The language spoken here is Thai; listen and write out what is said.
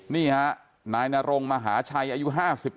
นี่ฮะแนนรงมาหาชัยอายุ๕๑ปี